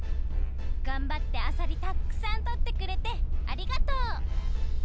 がんばってあさりたっくさんとってくれてありがとう！